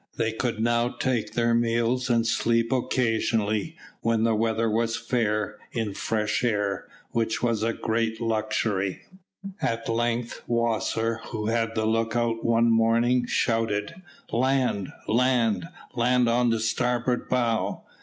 They could now take their meals and sleep occasionally, when the weather was fair, in fresh air, which was a great luxury. At length Wasser, who had the lookout one morning, shouted, "Land! land! land on the starboard bow!"